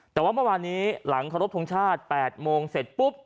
แต่ว่าเมื่อวานนี้หลังเคารพทงชาติ๘โมงเสร็จปุ๊บ